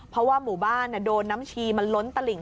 เพราะเรือที่โดนน้ำชีล้นตริง